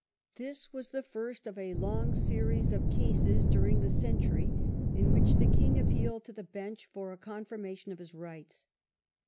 This was the first of a long series of cases during the century in which the king appealed to the Bench for a confirmation of his rights.